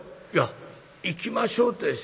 「いや行きましょうって」。